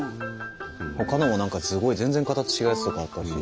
ほかのも何かすごい全然形違うやつとかあったし。